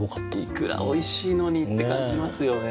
イクラおいしいのにって感じますよね。